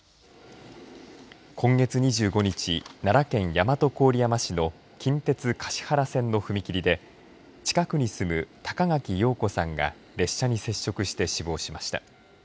今月２５日奈良県大和郡山市の近鉄橿原線の踏切近くに住む高垣陽子さんが列車に接触して死亡しました。